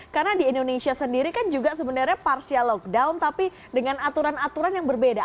karena di indonesia sendiri kan juga sebenarnya partial lockdown tapi dengan aturan aturan yang berbeda